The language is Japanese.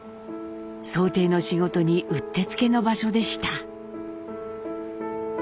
装ていの仕事にうってつけの場所でした。